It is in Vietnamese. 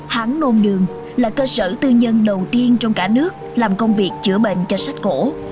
hán nôn đường là cơ sở tư nhân đầu tiên trong cả nước làm công việc chữa bệnh cho sách cổ